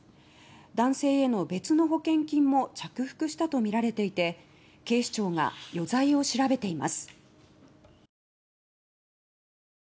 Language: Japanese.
男性への別の保険金も着服したとみられていて警視庁が余罪を調べています。